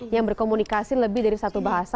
yang berkomunikasi lebih dari satu bahasa